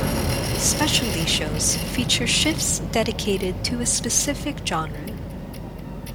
Specialty Shows feature shifts dedicated to a specific genre.